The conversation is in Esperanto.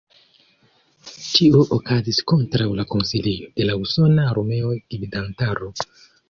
Ĉio okazis kontraŭ la konsilo de la usona armea gvidantaro.